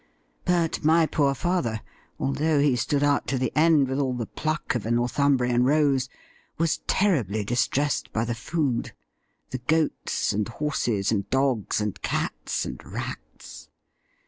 But my poor father, although he stood out to the end 154 THE RIDDLE RING with all the pluck of a Northumbrian Rose, was terribly distressed by the food — ^the goats, and horses, and dogs, and cats and rats.